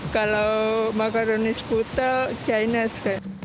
kalau makanan skutel dari jawa barat kayaknya dari jawa barat